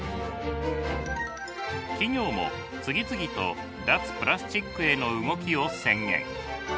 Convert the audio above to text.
企業も次々と脱プラスチックへの動きを宣言。